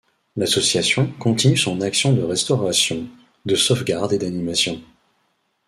L'association continue son action de restauration, de sauvegarde et d'animation.